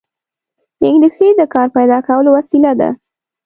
انګلیسي د کار پیدا کولو وسیله ده